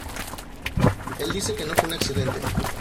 Él dice que no fue un accidente.